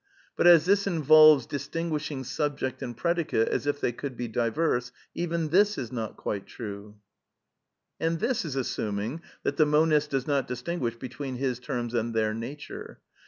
But as this involves distin^ishing subject and predicate, as if they could be diverse, even this is not quite true." {Ibid. p. 164.) And this is assuming that the monist does not disti guish between his terms and their nature.